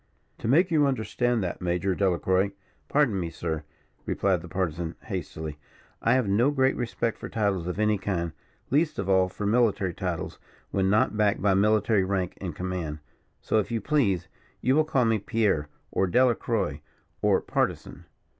"To make you understand that, Major Delacroix " "Pardon me, sir," replied the Partisan, hastily, "I have no great respect for titles of any kind, least of all for military titles, when not backed by military rank and command. So, if you please, you will call me Pierre, or Delacroix, or Partisan."